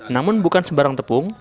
namun bukan sebarang tepung